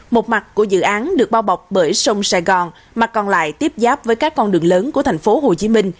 một mặt của dự án được bao bọc bởi sông sài gòn mặt còn lại tiếp giáp với các con đường lớn của tp hcm